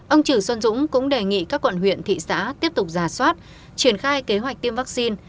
ông trừ xuân dũng cũng đề nghị các quận huyện thị xã tiếp tục giả soát triển khai kế hoạch tiêm vaccine